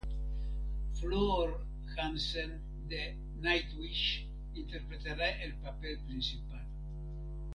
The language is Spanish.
Floor Jansen de Nightwish interpretará el papel principal.